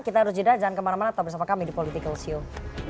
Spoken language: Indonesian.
kita harus jeda jangan kemana mana tetap bersama kami di political show